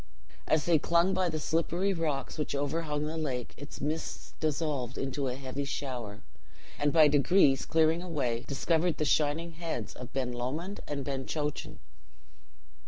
As they clung by the slippery rocks which overhung the lake, its mists dissolved into a heavy shower, and, by degrees clearing away, discovered the shining heads of Ben Lomond and Ben Chochan.